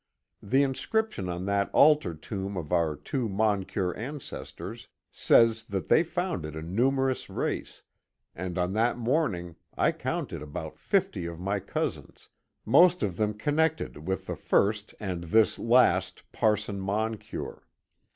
The inscrip tion on that altar tomb of our two Moncure ancestors says that they founded a numerous race, and on that morning I counted about fifty of my cousins, most of them connected with the first and this last *^ parson Moncure."